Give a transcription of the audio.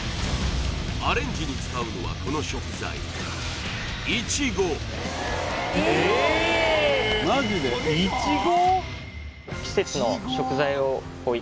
アレンジに使うのはこの食材えっいちご？